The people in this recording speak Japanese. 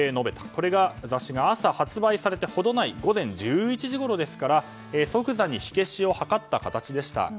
これが、雑誌が朝発売されて程ない午前１１時ごろですから即座に火消しを図った形でした。